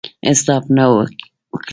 حساب نه وو کړی.